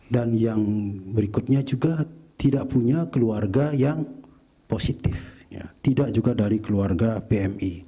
dan yang berikutnya juga tidak punya keluarga yang positif tidak juga dari keluarga pmi